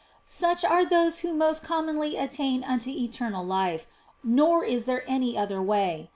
Such are those who most commonly attain unto eternal life, nor is there any other way.